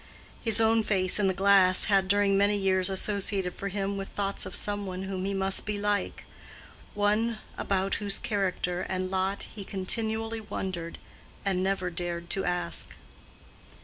His own face in the glass had during many years associated for him with thoughts of some one whom he must be like—one about whose character and lot he continually wondered, and never dared to ask.